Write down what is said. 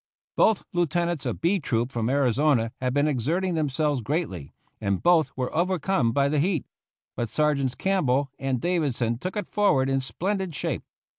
Both lieutenants of B Troop from Arizona had been exerting themselves greatly, and both were overcome by the heat; but Sergeants Campbell and Davidson took it forward in splendid shape.